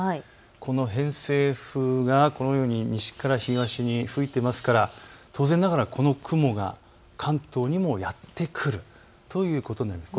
この偏西風がこのように西から東に吹いていますから当然ながらこの雲が関東にもやって来るということになります。